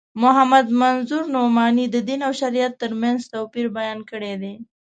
محمد منظور نعماني د دین او شریعت تر منځ توپیر بیان کړی دی.